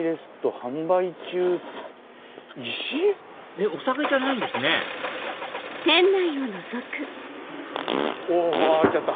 えっお酒じゃないんですねあっ開いちゃった。